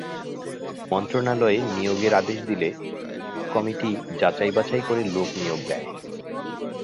মন্ত্রণালয় নিয়োগের আদেশ দিলে নিয়োগ কমিটি যাচাই-বাছাই করে লোক নিয়োগ দেয়।